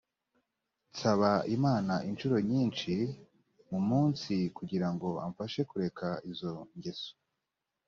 nsaba imana incuro nyinshi mu munsi kugira ngo amfashe kureka izo ngeso